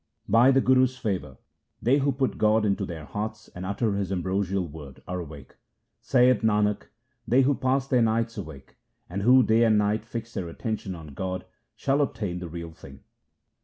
By the Guru's favour they who put God into their hearts and utter His ambrosial word, are awake. Saith Nanak, they who pass their nights awake, and who day and night fix their attention on God, shall obtain the Real Thing.